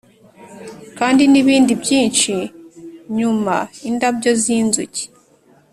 kandi nibindi byinshi, nyuma indabyo zinzuki,